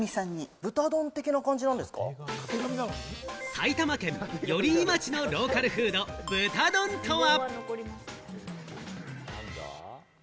埼玉県寄居町のローカルフード、豚丼とは？